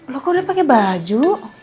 lo kok udah pakai baju